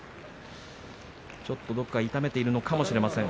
ちょっと、どこか痛めているのかもしれません。